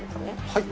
はい。